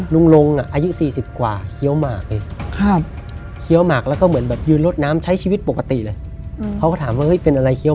ลุงอะอายุ๔๐กว่าเคี้ยวมากเลยและเหมือนยืนรถน้ำใช้ชีวิตปกติเลย